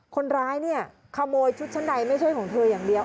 คนร้ายเนี่ยขโมยชุดชั้นในไม่ใช่ของเธออย่างเดียว